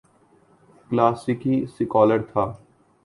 کلاسیکی سکالر تھا۔